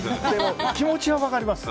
気持ちは分かります。